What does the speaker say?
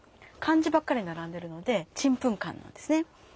漢字ばっかり並んでるのでチンプンカンなんですね。